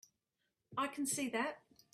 I can see that.